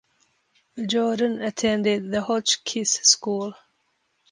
Jordan attended the Hotchkiss School.